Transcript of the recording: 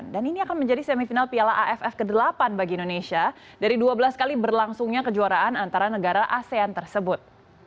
dan ini akan menjadi semifinal piala aff ke delapan bagi indonesia dari dua belas kali berlangsungnya kejuaraan antara negara asean tersebut